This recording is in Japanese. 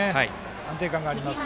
安定感があります。